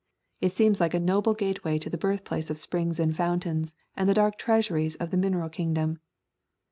It seems like a noble gateway to the birthplace of springs and fountains and the dark treasuries of the mineral kingdom.